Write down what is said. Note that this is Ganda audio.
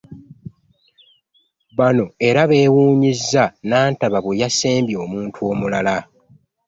Bano era beewuunyizza Nantaba bwe yasembye omuntu omulala.